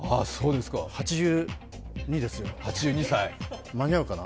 ８２ですよ、間に合うかな？